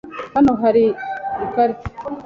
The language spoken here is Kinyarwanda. Hano hari ikarita .